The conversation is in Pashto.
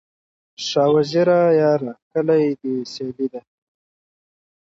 شاه وزیره یاره، کلي دي سیالي ده